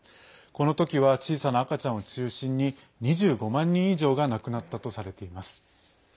この時は小さな赤ちゃんを中心に２５万人以上が亡くなったとされています。